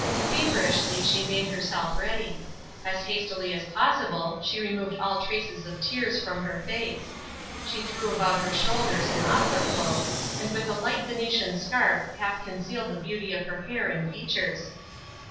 Feverishly she made herself ready. As hastily as possible she removed all traces of tears from her face. She threw about her shoulders an opera cloak, and with a light Venetian scarf half concealed the beauty of her hair and features.